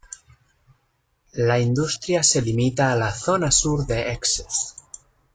La industria se limita a la zona sur de Essex.